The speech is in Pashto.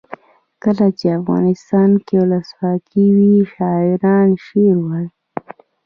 کله چې افغانستان کې ولسواکي وي شاعران شعر وايي.